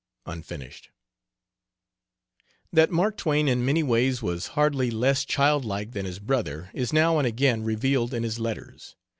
(Unfinished.) That Mark Twain in many ways was hardly less child like than his brother is now and again revealed in his letters.